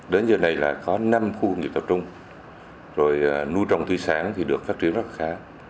đến giờ này là có năm khu công nghiệp tập trung rồi nuôi trồng thủy sản thì được phát triển rất khá